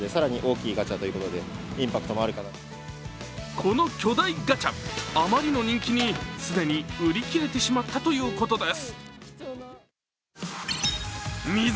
この巨大ガチャ、あまりの人気に既に売り切れてしまったということです。